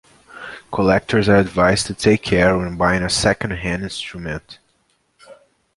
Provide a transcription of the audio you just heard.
Collectors are advised to take care when buying a second-hand instrument.